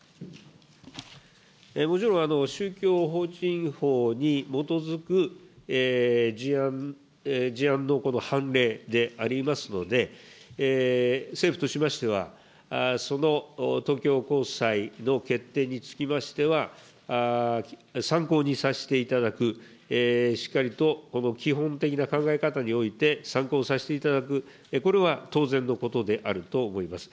もちろん宗教法人法に基づく事案のこの判例でありますので、政府としましては、その東京高裁の決定につきましては、参考にさせていただく、しっかりとこの基本的な考え方において、参考にさせていただく、これは当然のことであると思います。